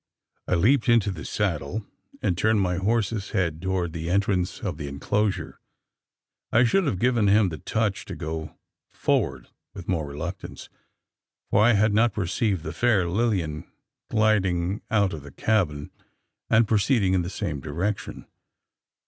I leaped into the saddle, and turned my horse's head towards the entrance of the enclosure. I should have given him the touch to go forward with more reluctance, had I not perceived the fair Lilian gliding out of the cabin, and proceeding in the same direction!